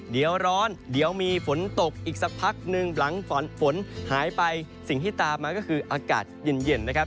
เดี๋ยวร้อนเดี๋ยวมีฝนตกอีกสักพักหนึ่งหลังฝนหายไปสิ่งที่ตามมาก็คืออากาศเย็นนะครับ